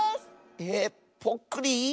ええぽっくり⁉